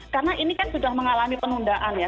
karena ini kan sudah mengalami penundaan ya